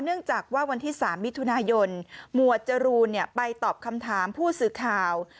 เนื่องจากว่าวันที่๓มิถุนายนหมวดจรูนไปตอบคำถามผู้สื่อข่าว